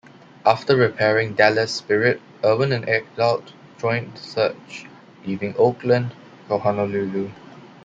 After repairing "Dallas Spirit", Erwin and Eichwaldt joined the search, leaving Oakland for Honolulu.